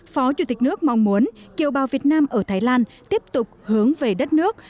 phó chủ tịch nước mong muốn kiều bào việt nam ở thái lan tiếp tục hướng về đất nước